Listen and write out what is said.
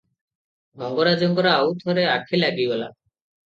ମଙ୍ଗରାଜଙ୍କର ଆଉ ଥରେ ଆଖି ଲାଗିଗଲା ।